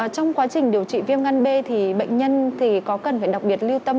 trong quá trình điều trị viêm gan b thì bệnh nhân có cần phải đặc biệt lưu tâm